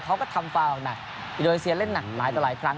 เขาก็ทำฟาวออกหนักอินโดนีเซียเล่นหนักหลายต่อหลายครั้ง